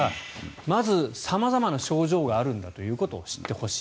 まず、様々な症状があるんだということを知ってほしい。